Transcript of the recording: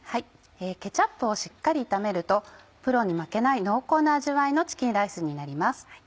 ケチャップをしっかり炒めるとプロに負けない濃厚な味わいのチキンライスになります。